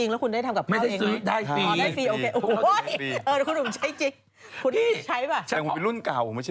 แล้วเขาก็ซื้อให้ลูกเขาหมดด้วย